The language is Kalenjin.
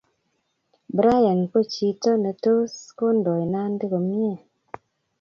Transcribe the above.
Brian ko chi netos kondoi Nandi komnye